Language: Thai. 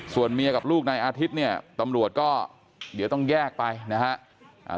ส่วนเมียกับลูกนายอาทิตย์เนี่ยตำรวจก็เดี๋ยวต้องแยกไปนะครับ